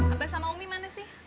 abah sama omni mana sih